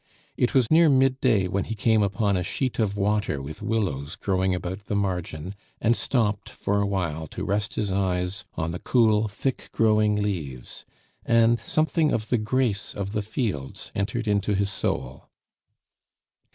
It was near mid day when he came upon a sheet of water with willows growing about the margin, and stopped for awhile to rest his eyes on the cool, thick growing leaves; and something of the grace of the fields entered into his soul.